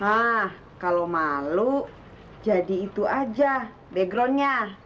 hah kalau malu jadi itu aja background nya